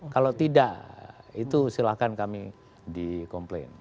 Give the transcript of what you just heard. kalau tidak itu silahkan kami di komplain